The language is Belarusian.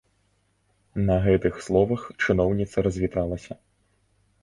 На гэтых словах чыноўніца развіталася.